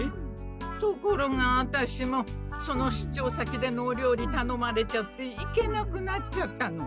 ところがワタシもその出張先でのお料理たのまれちゃって行けなくなっちゃったの。